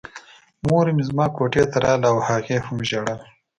مور مې زما کوټې ته راغله او هغې هم ژړل